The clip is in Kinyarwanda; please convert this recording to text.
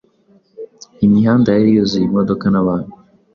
Imihanda yari yuzuye imodoka n'abantu